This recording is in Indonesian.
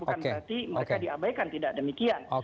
bukan berarti mereka diabaikan tidak demikian